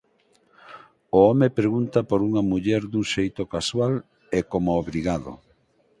O home pregunta por unha muller dun xeito casual e como obrigado.